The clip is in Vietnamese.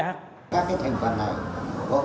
các cái thành phần này có cái âm mưu và có cái tài năng